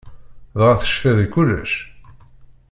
Dɣa tecfiḍ i kullec?